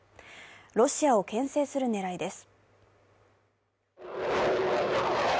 ロシアをけん制する狙いです。